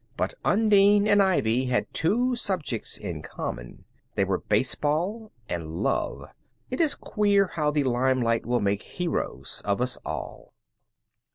But Undine and Ivy had two subjects in common. They were baseball and love. It is queer how the limelight will make heroes of us all.